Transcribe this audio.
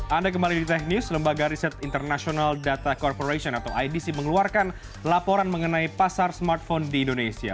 anda kembali di tech news lembaga riset international data corporation atau idc mengeluarkan laporan mengenai pasar smartphone di indonesia